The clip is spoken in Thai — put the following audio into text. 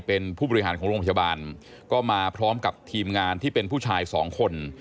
เป็นผู้บริหารของโรงพยาบาลก็มาพร้อมกับทีมงานที่เป็นผู้ชายสองคน